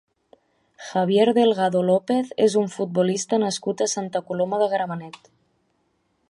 Javier Delgado López és un futbolista nascut a Santa Coloma de Gramenet.